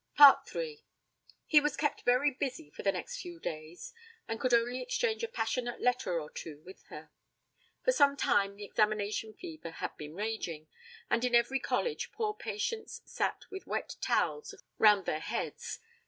III He was kept very busy for the next few days, and could only exchange a passionate letter or two with her. For some time the examination fever had been raging, and in every college poor patients sat with wet towels round their heads.